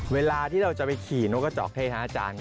เวลาที่เราจะไปขี่นกกระจอกให้ฮะอาจารย์